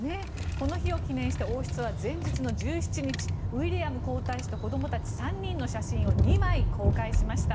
この日を記念して王室は前日の１７日ウィリアム皇太子と子供たち３人の写真を２枚、公開しました。